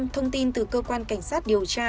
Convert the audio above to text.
thông tin từ cơ quan cảnh sát điều tra